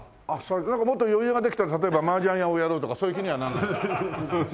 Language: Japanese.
もっと余裕ができたら例えば麻雀屋をやろうとかそういう気にはなんないの？